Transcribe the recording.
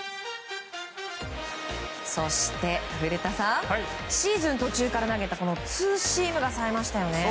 そして、古田さんシーズン途中から投げたツーシームがさえましたよね。